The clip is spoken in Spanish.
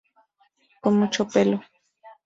Con mucho pelo.